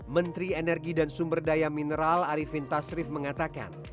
menteri energi dan sumber daya mineral arifin tasrif mengatakan